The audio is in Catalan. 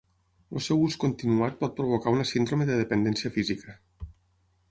El seu ús continuat pot provocar una síndrome de dependència física.